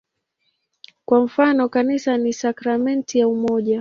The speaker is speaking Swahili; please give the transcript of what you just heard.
Kwa mfano, "Kanisa ni sakramenti ya umoja".